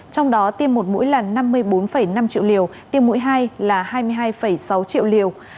trong đó tiêm một mũi là năm mươi bốn năm triệu liều tiêm mũi hai là hai mươi hai sáu triệu liều